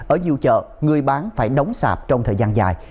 ở nhiều chợ người bán phải đóng sạp trong thời gian dài